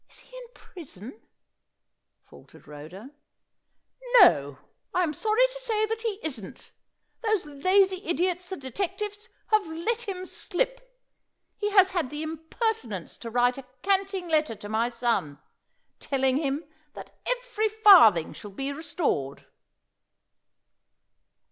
"Is he in prison?" faltered Rhoda. "No; I am sorry to say that he isn't. Those lazy idiots, the detectives, have let him slip. He has had the impertinence to write a canting letter to my son, telling him that every farthing shall be restored."